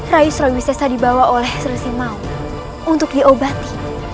raih sriwisesta dibawa oleh sri simau untuk diobati